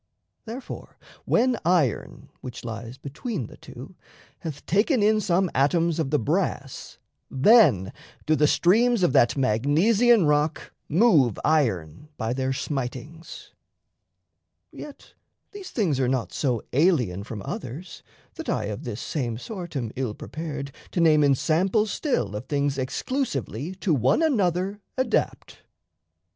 Therefore, when iron (which lies between the two) Hath taken in some atoms of the brass, Then do the streams of that Magnesian rock Move iron by their smitings. Yet these things Are not so alien from others, that I Of this same sort am ill prepared to name Ensamples still of things exclusively To one another adapt.